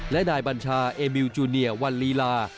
และนายบัญชาเอมิวจูเนียวันลีลา